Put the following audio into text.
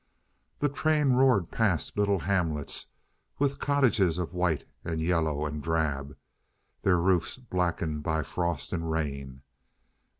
The train roared past little hamlets, with cottages of white and yellow and drab, their roofs blackened by frost and rain.